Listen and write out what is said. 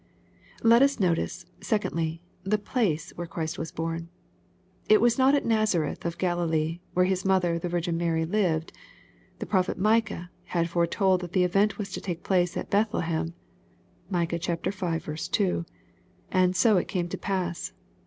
Let us notice, secondly, the place where Christ was horn. It was not at Nazareth of Galilee, where His mother, the Virgin Mary, lived. The prophet Micah had fore told that the event was to take place at Bethlehem. (Micah V. 2.) And so it came to pass.